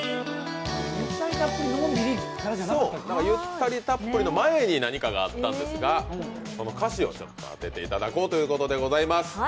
「ゆったりたっぷり」の前に何かがあったんですが、その歌詞を当てていただこうということでございます。